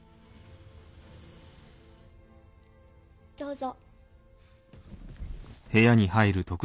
どうぞ。